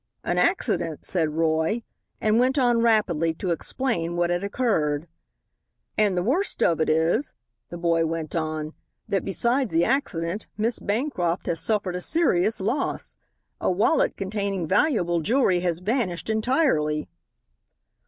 "An accident," said Roy, and went on rapidly to explain what had occurred. "And the worst of it is," the boy went on, "that besides the accident Miss Bancroft has suffered a serious loss. A wallet containing valuable jewelry has vanished entirely."